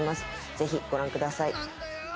ぜひご覧ください。